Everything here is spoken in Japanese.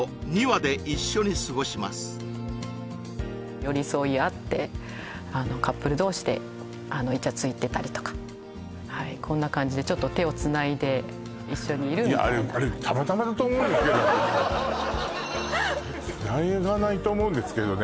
寄り添い合ってカップル同士でいちゃついてたりとかこんな感じでちょっと手をつないで一緒にいるみたいなつながないと思うんですけどね